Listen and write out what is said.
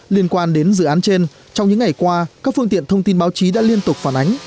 liên quan đến dự án trên trong những ngày qua các phương tiện thông tin báo chí đã liên tục phản ánh